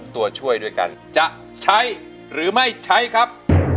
ตัวช่วยด้วยกันจะใช้หรือไม่ใช้ครับ